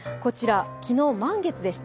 昨日、満月でした。